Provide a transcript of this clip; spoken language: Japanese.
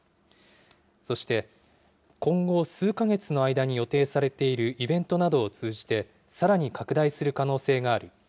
そして今後、数か月の間に予定されているイベントなどを通じて、さらに拡大する可能性がある。